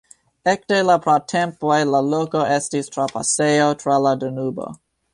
Ekde la pratempoj la loko estis trapasejo tra la Danubo.